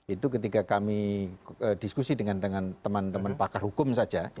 itu ketika kami diskusi dengan teman teman pakar hukum saja